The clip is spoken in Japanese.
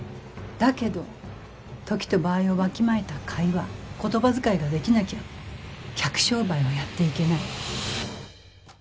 だけど時と場合をわきまえた会話言葉遣いができなきゃ客商売はやっていけない。